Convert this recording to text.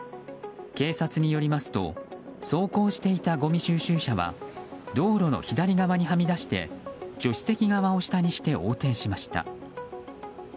警察によりますと走行していたごみ収集車は道路の左側にはみ出して助手席側を下にして横転しました。